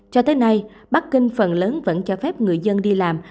cho tới nay bắc kinh phần lớn vẫn cho phép người dân đi làm